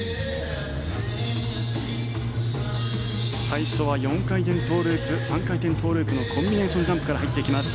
最初は４回転トウループ３回転トウループのコンビネーションジャンプから入っていきます。